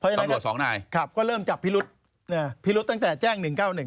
ตำรวจสองนายก็เริ่มจับพิรุษพิรุษตั้งแต่แจ้ง๑๙๑